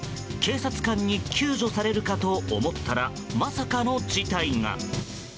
警察官に救助されるかと思ったらまさかの事態が。